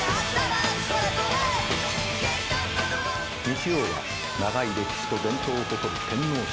日曜は長い歴史と伝統を誇る天皇賞。